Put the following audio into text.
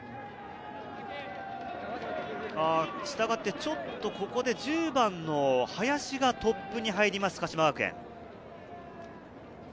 ちょっとここで１０番の林がトップに入ります、鹿島学園。